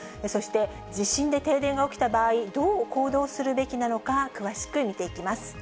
そして、地震で停電が起きた場合、どう行動するべきなのか、詳しく見ていきます。